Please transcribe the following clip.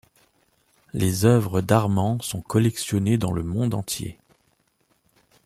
Les œuvres d'Arman sont collectionnées dans le monde entier.